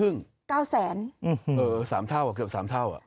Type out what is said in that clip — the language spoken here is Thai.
เออสามเท่าเกือบสามเท่าอ่ะ